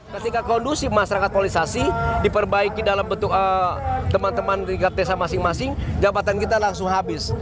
ketika kondusif masyarakat polarisasi diperbaiki dalam bentuk teman teman tingkat desa masing masing jabatan kita langsung habis